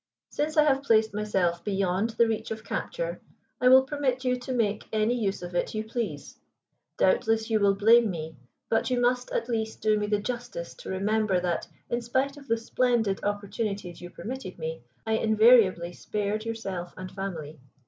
Since I have placed myself beyond the reach of capture, I will permit you to make any use of it you please. Doubtless you will blame me, but you must at least do me the justice to remember that, in spite of the splendid opportunities you permitted me, I invariably spared yourself and family.